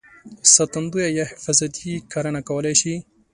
ساتندویه یا حفاظتي کرنه کولای شي.